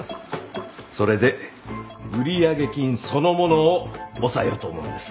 それで売上金そのものを押さえようと思うんです。